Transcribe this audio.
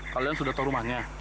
kalian sudah tau rumahnya